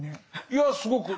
いやすごく。